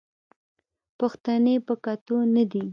پښتنې په کتو نه دي